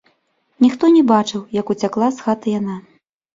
Ніхто не бачыў, як уцякла з хаты яна.